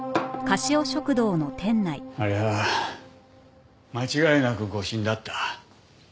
あれは間違いなく誤審だった。